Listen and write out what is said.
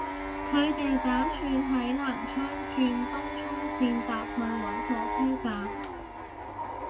佢哋打算喺南昌轉東涌綫搭去搵火車站